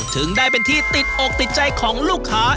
ถึงได้เป็นที่ติดอกติดใจของลูกค้า